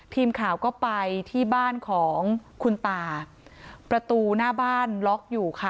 ทีมข่าวก็ไปที่บ้านของคุณตาประตูหน้าบ้านล็อกอยู่ค่ะ